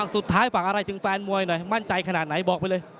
สุดท้ายฝากอะไรถึงแฟนมวยหน่อยมั่นใจขนาดไหนบอกไปเลย